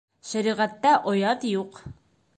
Шәриғәттә оят юҡ.